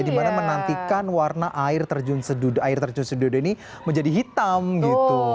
dimana menantikan warna air terjun sedudo ini menjadi hitam gitu